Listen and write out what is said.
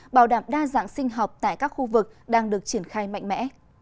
bảo đảm đa dạng sinh học tại các khu vực đang được triển khai mạnh mẽ